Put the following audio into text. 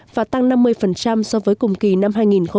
và tăng năm mươi so với cùng kỳ năm hai nghìn một mươi tám